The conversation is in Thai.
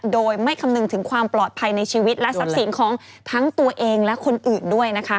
โดยไม่คำนึงถึงความปลอดภัยในชีวิตและทรัพย์สินของทั้งตัวเองและคนอื่นด้วยนะคะ